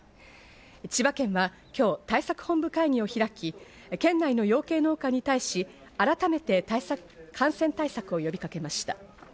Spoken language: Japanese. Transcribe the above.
千葉県は今日、対策本部会議を開き、県内の養鶏農家に対し、改めて感染対策を呼びかけました。